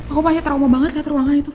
aku masih terlalu banget lihat ruangan itu